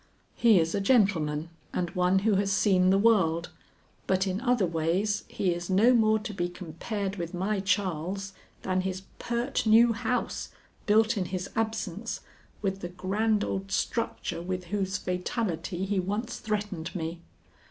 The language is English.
He is a gentleman, and one who has seen the world, but in other ways he is no more to be compared with my Charles than his pert new house, built in his absence, with the grand old structure with whose fatality he once threatened me.